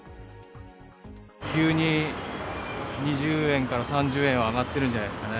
急に２０円から３０円は上がってるんじゃないですかね。